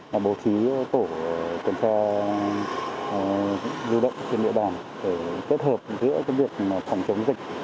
và bố trí tổ tuần tra lưu động trên địa bàn để kết hợp giữa công việc phòng chống dịch